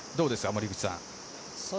森口さん。